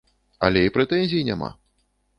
Але і прэтэнзій няма!